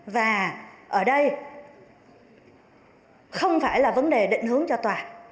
và ở đây không phải là vấn đề định hướng cho tòa